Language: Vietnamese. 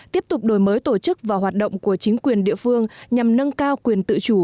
tiếp tục đổi mới tổ chức và hoạt động của chính quyền địa phương nhằm nâng cao quyền tự chủ